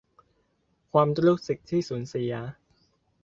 ความรู้สึกที่สูญเสีย